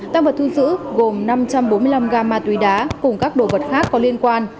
tăng vật thu giữ gồm năm trăm bốn mươi năm gam ma túy đá cùng các đồ vật khác có liên quan